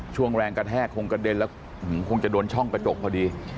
ช่วงแรงกระแทกคงกระเด็นแล้วคงจะโดนช่องกระจกพอดี